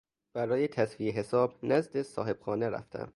برای تسویه حساب نزد صاحبخانه رفتم.